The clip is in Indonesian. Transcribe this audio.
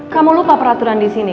kamu lupa peraturan disini